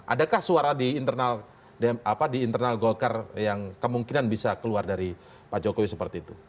adakah suara di internal golkar yang kemungkinan bisa keluar dari pak jokowi seperti itu